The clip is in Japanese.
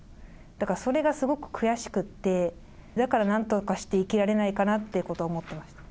だから、それがすごく悔しくて、だからなんとかして生きられないかなっていうことを思ってました。